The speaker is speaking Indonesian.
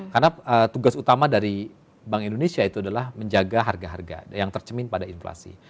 karena tugas utama dari bank indonesia itu adalah menjaga harga harga yang tercemin pada inflasi